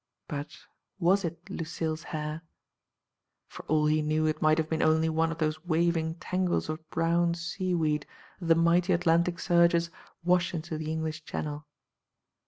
But was it Lucille*s hair? For all he knew it might have been only one of those waving tangles of brown seaweed that the mighty Atlantic surges wash into the English Channel.